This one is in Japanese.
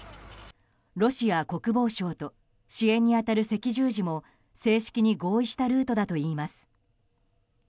ロシア国防省と支援に当たる赤十字も正式に合意したルートだといいます。